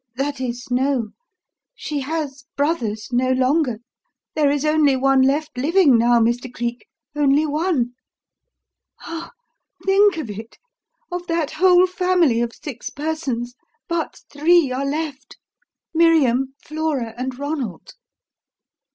That is no. She has 'brothers' no longer. There is only one left living now, Mr. Cleek, only one. Ah, think of it! of that whole family of six persons, but three are left: Miriam, Flora, and Ronald."